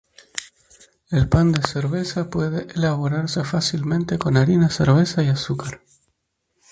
El pan de cerveza puede elaborarse fácilmente con harina, cerveza y azúcar.